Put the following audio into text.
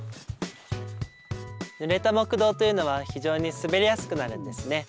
ぬれた木道というのは非常に滑りやすくなるんですね。